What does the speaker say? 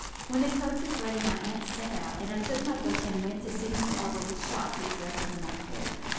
"When the coach was ready my aunts set out, and I took my books and went to sit in the arbour with Shock, who was left under my care.